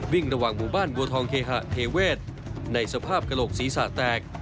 วิ่งระหว่างหมู่บ้านบัวทองเคหะเทเวศในสภาพกระโหลกศีรษะแตก